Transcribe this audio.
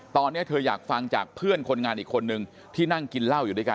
ตอนนี้เธออยากฟังจากเพื่อนคนงานอีกคนนึงที่นั่งกินเหล้าอยู่ด้วยกัน